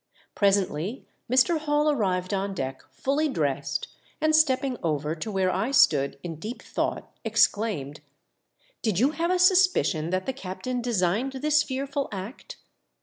Presently 3.1r. Hall arrived on deck fully dressed, and stepping over to where I stood in deep thought, exclaimed, '• Did you have a suspicion that the captain designed this fearful act